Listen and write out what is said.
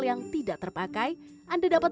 yang tidak terpakai anda dapat